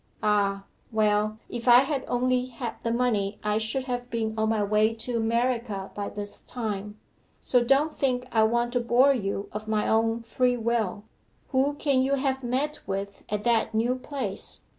Ah well, if I had only had the money I should have been on my way to America by this time, so don't think I want to bore you of my own free will. Who can you have met with at that new place?